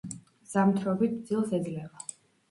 ზამთრობით ძილს ეძლევა.